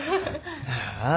ああ。